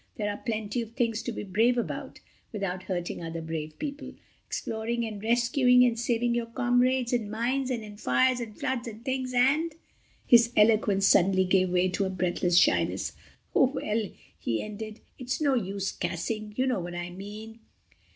There are plenty of things to be brave about without hurting other brave people—exploring and rescuing and saving your comrades in mines and in fires and floods and things and—" his eloquence suddenly gave way to a breathless shyness—"oh, well," he ended, "it's no use gassing; you know what I mean."